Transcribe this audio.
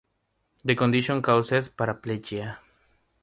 The condition caused paraplegia.